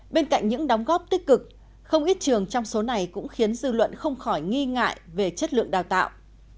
bên cạnh những đóng góp tích cực không ít trường trong số này cũng khiến dư luận không khỏi nghi ngại về chất lượng đào tạo